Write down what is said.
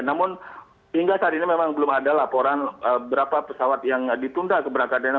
namun hingga saat ini memang belum ada laporan berapa pesawat yang ditunda keberangkatannya